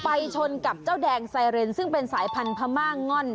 ชนกับเจ้าแดงไซเรนซึ่งเป็นสายพันธม่าง่อน